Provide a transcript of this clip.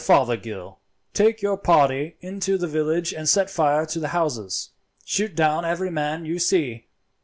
Fothergill, take your party into the village and set fire to the houses; shoot down every man you see.